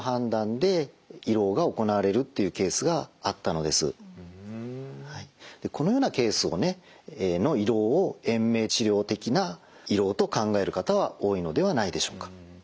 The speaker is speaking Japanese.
でこのようなケースの胃ろうを延命治療的な胃ろうと考える方は多いのではないでしょうか。